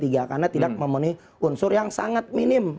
karena tidak memenuhi unsur yang sangat minim